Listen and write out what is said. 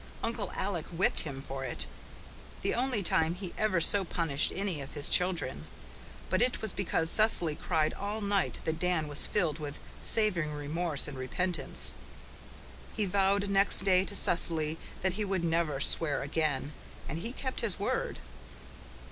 Uncle Alec whipped him for it the only time he ever so punished any of his children. But it was because Cecily cried all night that Dan was filled with saving remorse and repentance. He vowed next day to Cecily that he would never swear again, and he kept his word.